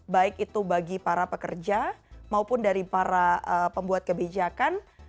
baik itu bagi para pekerja maupun dari para pembuat kebijakan